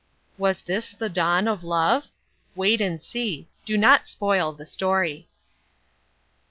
Was this the dawn of love? Wait and see. Do not spoil the story.